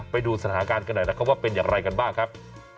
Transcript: ไปดูสถานการณ์กันหน่อยนะครับว่าเป็นอย่างไรกันบ้างครับ